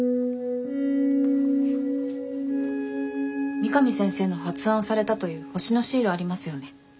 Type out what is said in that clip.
三上先生の発案されたという星のシールありますよね？